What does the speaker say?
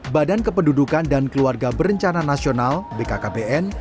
badan kependudukan dan keluarga berencana nasional bkkbn